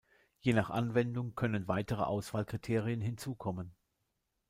Je nach Anwendung können weitere Auswahlkriterien hinzukommen.